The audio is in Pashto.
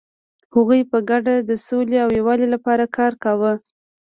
هغوی په ګډه د سولې او یووالي لپاره کار کاوه.